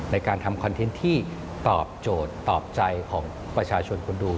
ในการทำคอนเทนต์ที่ตอบโจทย์ตอบใจของประชาชนคนดู